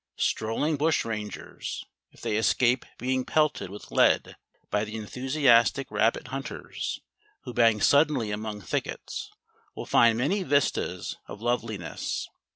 Strolling bushrangers, if they escape being pelleted with lead by the enthusiastic rabbit hunters who bang suddenly among thickets, will find many vistas of loveliness.